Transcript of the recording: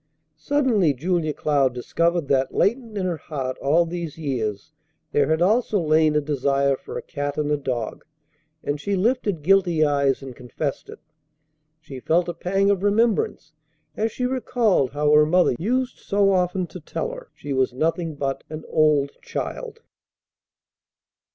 Suddenly Julia Cloud discovered that latent in her heart all these years there had also lain a desire for a cat and a dog; and she lifted guilty eyes, and confessed it. She felt a pang of remembrance as she recalled how her mother used so often to tell her she was nothing but an "old child."